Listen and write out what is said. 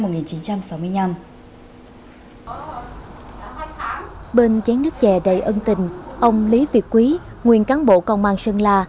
bên trái nước chè đầy ân tình ông lý việt quý nguyên cán bộ công an sơn la